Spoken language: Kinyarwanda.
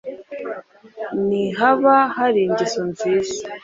ni haba hari ingeso nziza